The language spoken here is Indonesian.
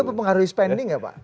itu mempengaruhi spending nggak pak